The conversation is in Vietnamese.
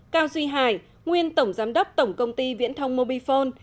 cao duy hải nguyên tổng giám đốc tổng công ty viễn thông mobifone